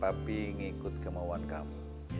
papi ngikut kemauan kamu